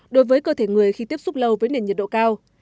đối với cơ thể người khi tiếp xúc lâu với nền nhiệt độ cao